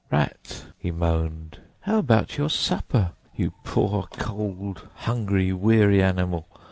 "Rat," he moaned, "how about your supper, you poor, cold, hungry, weary animal?